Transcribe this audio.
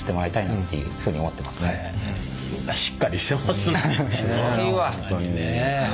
すごいわ。